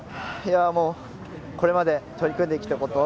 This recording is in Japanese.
これまで取り組んできたことを